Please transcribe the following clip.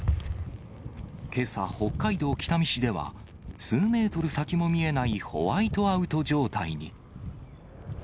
けさ、北海道北見市では、数メートル先も見えないホワイトアウト状態に。